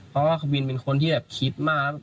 เพราะว่ากะวินเป็นคนที่แบบคิดมาก